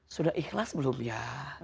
sudah ikhlas belum ya